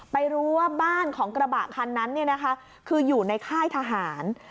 ไปรู้ว่าบ้านของกระบะคันนั้นเนี่ยนะคะคืออยู่ในค่ายทหาร